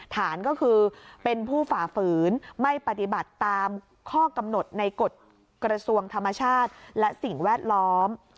ฐานก็คือเป็นผู้ฝ่าฝืนไม่ปฏิบัติตามข้อกำหนดในกฎกระทรวงธรรมชาติและสิ่งแวดล้อม